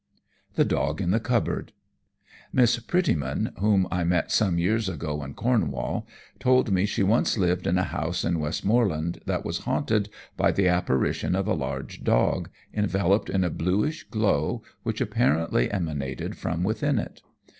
The Dog in the Cupboard Miss Prettyman, whom I met some years ago in Cornwall, told me she once lived in a house in Westmorland that was haunted by the apparition of a large dog, enveloped in a blueish glow, which apparently emanated from within it.